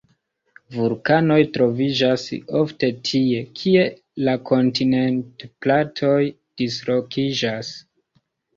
Vulkanoj troviĝas ofte tie, kie la kontinentplatoj dislokiĝas.